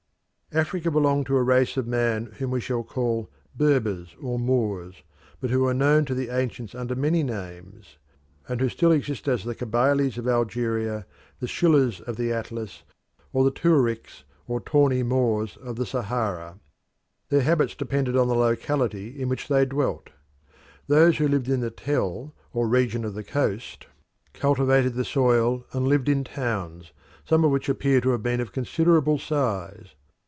Africa belonged to a race of man whom we shall call Berbers or Moors, but who were known as the ancients under many names, and who still exist as the Kabyles or Algeria, the Shilluhs of the Atlas, and the Tuaricks or tawny Moors of the Sahara. Their habits depended on the locality in which they dwelt. Those who lived in the Tell or region of the coast cultivated the soil and lived in towns, some of which appear to have been of considerable size.